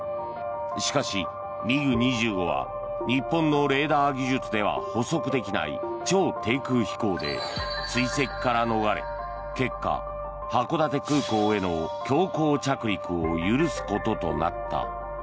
しかし、ミグ２５は日本のレーダー技術では捕捉できない超低空飛行で追跡から逃れ結果、函館空港への強行着陸を許すこととなった。